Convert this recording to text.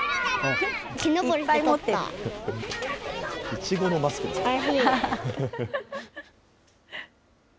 いちごのマスクですね。